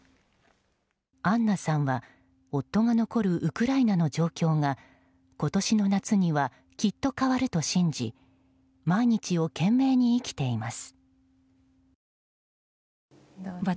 アンナさんは夫が残るウクライナの状況が今年の夏にはきっと変わると信じ毎日を懸命に生きています。